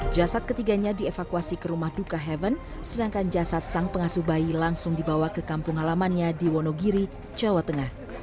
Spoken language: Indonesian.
jasad ketiganya dievakuasi ke rumah duka heaven sedangkan jasad sang pengasuh bayi langsung dibawa ke kampung halamannya di wonogiri jawa tengah